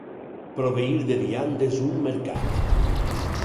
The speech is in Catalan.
Proveir de viandes un mercat.